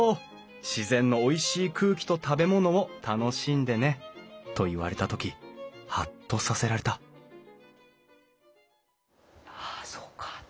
自然のおいしい空気と食べ物を楽しんでね」と言われた時ハッとさせられたああそうかあと。